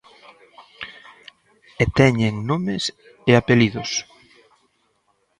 E teñen nomes e apelidos.